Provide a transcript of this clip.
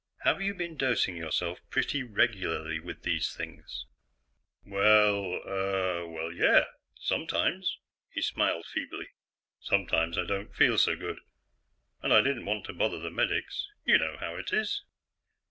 "Have you been dosing yourself pretty regularly with these things?" "Well ... uh ... well, yeah. Sometimes." He smiled feebly. "Sometimes I didn't feel so good, and I didn't want to bother the medics. You know how it is."